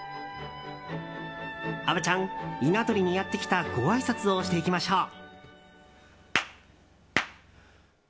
虻ちゃん、稲取にやってきたごあいさつをしていきましょう。